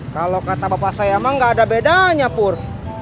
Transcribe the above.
kalau kata bapak saya emang gak ada bedanya pur